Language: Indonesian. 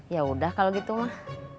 yaudah kalau gitu mah